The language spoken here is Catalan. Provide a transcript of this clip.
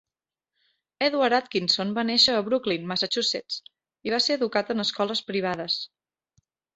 Edward Atkinson va néixer a Brookline, Massachusetts i va ser educat en escoles privades.